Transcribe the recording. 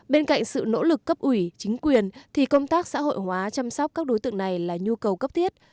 bên cạnh sự nỗ lực cấp ủy chính quyền thì công tác xã hội hóa chăm sóc các đối tượng này là nhu cầu cấp thiết